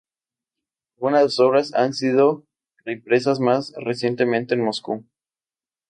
Algunas de sus obras han sido reimpresas más recientemente en Moscú.